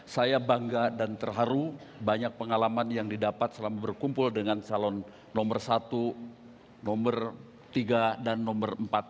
saya bangga dan terharu banyak pengalaman yang didapat selama berkumpul dengan calon nomor satu nomor tiga dan nomor empat